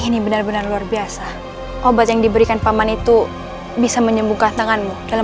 ini benar benar luar biasa obat yang diberikan paman itu bisa menyembuhkan tanganmu dalam